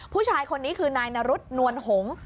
ผู้ชายคนนี้คือนายนรุษนวลหง